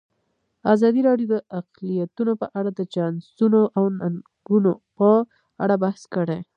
ازادي راډیو د اقلیتونه په اړه د چانسونو او ننګونو په اړه بحث کړی.